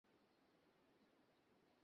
বিল্বন কহিলেন, আর দেখা যদি না হয়।